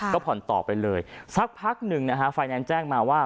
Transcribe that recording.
ก็ผ่อนต่อไปเลยสักพักหนึ่งนะฮะไฟแนนซ์แจ้งมาว่า